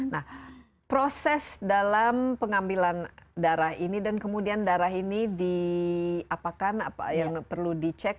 nah proses dalam pengambilan darah ini dan kemudian darah ini diapakan apa yang perlu dicek